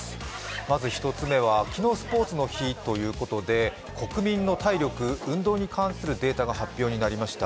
まず１つ目は、昨日、スポーツの日ということで、国民の体力、運動に関するデータが発表になりました。